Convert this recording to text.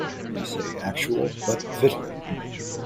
We say actual, but victual